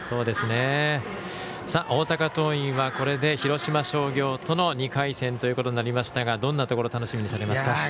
大阪桐蔭はこれで広島商業との２回戦ということになりましたがどんなところ楽しみにされますか？